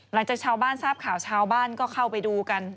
หลังจากชาวบ้านทราบข่าวชาวบ้านก็เข้าไปดูกัน